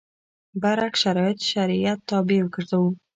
برعکس شرایط شریعت تابع وګرځوو.